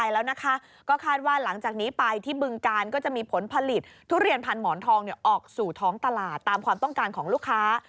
แล้วก็คาดว่าหลังจากนี้ไปที่บึงกาลก็จะมีผลผลิตทุเรียนพันหมอนทองออกสู่ท้องตลาดตามความต้องการของลูกค้า